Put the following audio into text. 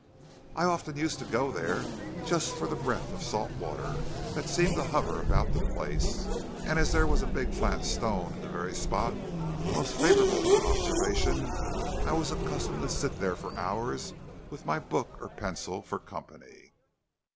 I often used to go there, just for the breath of salt water that seemed to hover about the place, and as there was a big flat stone in the very spot most favorable for observation, I was accustomed to sit there for hours with my book or pencil for company.